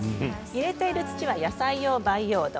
入れているのは野菜用培養土。